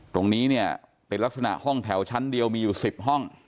ตรงนี้เนี่ยเป็นลักษณะห้องแถวชั้นเดียวมีอยู่๑๐ห้อง